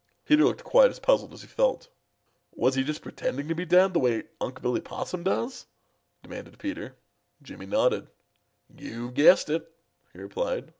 Peter looked quite as puzzled as he felt. "Was he just pretending to be dead the way Unc' Billy Possum does?" demanded Peter. Jimmy nodded. "You've guessed it," he replied.